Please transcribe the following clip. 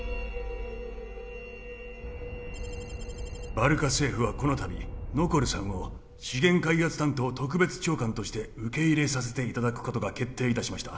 バルカ政府はこのたびノコルさんを資源開発担当特別長官として受け入れさせていただくことが決定いたしました